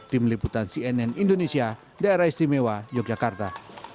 tim liputan cnn indonesia daerah istimewa yogyakarta